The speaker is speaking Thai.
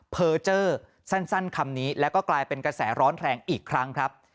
เจอสั้นคำนี้แล้วก็กลายเป็นกระแสร้อนแรงอีกครั้งครับ